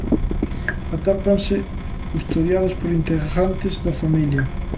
Atópanse custodiados por integrantes da familia.